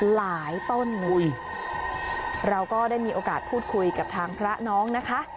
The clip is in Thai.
หลายต้นเราก็ได้มีโอกาสพูดคุยกับทางพระน้องนะคะ